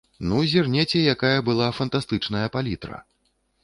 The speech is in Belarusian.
Ну, зірнеце, якая была фантастычная палітра!